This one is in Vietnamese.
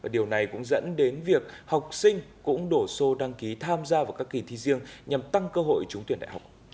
điều này cũng dẫn đến việc học sinh cũng đổ xô đăng ký tham gia vào các kỳ thi riêng nhằm tăng cơ hội trúng tuyển đại học